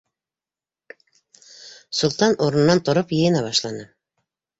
Солтан урынынан тороп йыйына башланы.